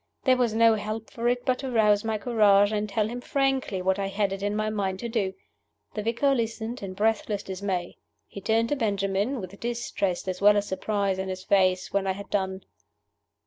There was no help for it but to rouse my courage, and tell him frankly what I had it in my mind to do. The vicar listened in breathless dismay. He turned to Benjamin, with distress as well as surprise in his face, when I had done.